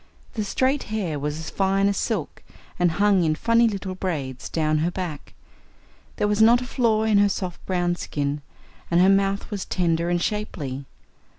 The straight hair was as fine as silk, and hung in funny little braids down her back; there was not a flaw in her soft brown skin, and her mouth was tender and shapely.